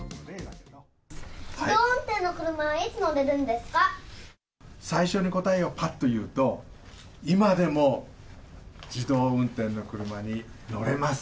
自動運転の車は、いつ乗れる最初に答えをぱっと言うと、今でも自動運転の車に乗れます。